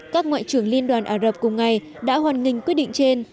các ngoại trưởng liên đoàn ả rập cùng ngày đã hoàn ngành quyết định trên